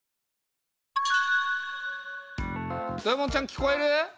豊本ちゃん聞こえる？